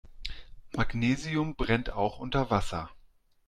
Magnesium brennt auch unter Wasser.